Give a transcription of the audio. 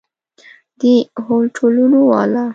د هوټلونو والا!